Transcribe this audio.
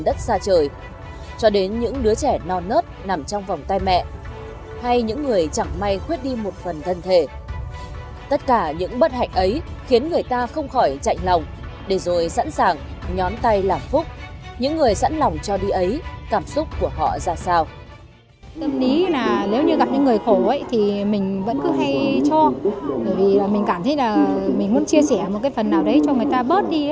nếu như gặp những người khổ thì mình vẫn cứ hay cho vì mình cảm thấy là mình muốn chia sẻ một cái phần nào đấy cho người ta bớt đi